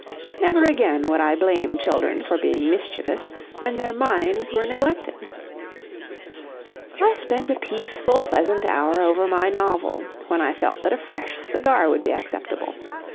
"Never again would I blame children for being mischievous when their minds were neglected. I spent a peaceful, pleasant hour over my novel, when I felt that a fresh cigar would be acceptable.